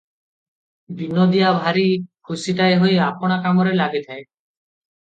ବିନୋଦିଆ ଭାରି ଖୁସିଟାଏ ହୋଇ ଆପଣା କାମରେ ଲାଗିଗଲା ।